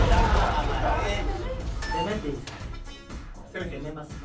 攻めていいですか？